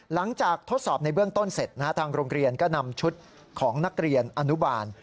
ทดสอบในเบื้องต้นเสร็จทางโรงเรียนก็นำชุดของนักเรียนอนุบาล